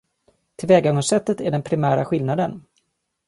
Tillvägagångssättet är den primära skillnaden.